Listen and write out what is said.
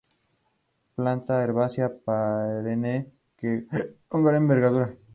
Planta herbácea perenne con una gran envergadura.